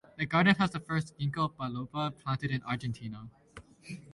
The garden has the first "Ginkgo biloba" planted in Argentina.